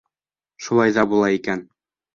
Шулай ҙа була икән.